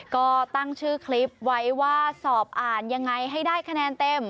ก็ตั้งชื่อคลิปไว้ว่าสอบอ่านยังไงให้ได้คะแนนเต็ม